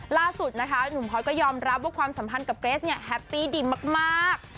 ล่าสุดนะคะหนุ่มพลอยก็ยอมรับว่าความสัมพันธ์กับเกรสเนี่ยแฮปปี้ดีมาก